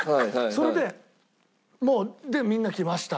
それでもうでみんな来ました。